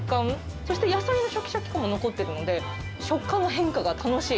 そして野菜のしゃきしゃき感も残ってるので、食感の変化が楽しい。